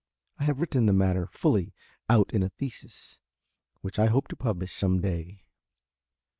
I have written the matter fully out in a thesis, which I hope to publish some day."